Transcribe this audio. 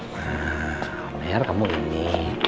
nah amir kamu ini